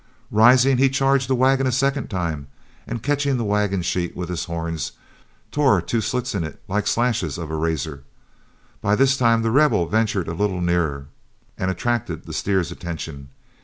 Rising, he charged the wagon a second time, and catching the wagon sheet with his horns, tore two slits in it like slashes of a razor. By this time The Rebel ventured a little nearer, and attracted the steer's attention.